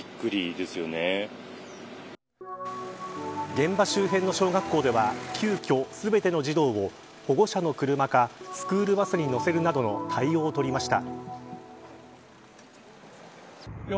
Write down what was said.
現場周辺の小学校では急きょ、全ての児童を保護者の車か、スクールバスに乗せるなどの対応を取りました。